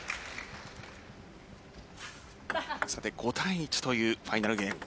５対１というファイナルゲーム。